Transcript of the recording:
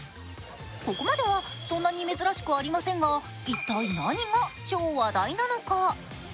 ここまではそんなに珍しくありませんが一体何が超話題なのか？